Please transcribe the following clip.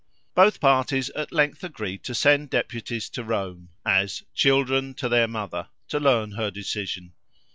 Both parties at length agreed to send deputies to Rome, as "children to their mother," to learn her decision.